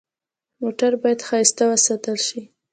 موټر باید ښایسته وساتل شي.